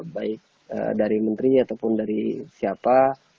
baik dari menteri ataupun dari siapa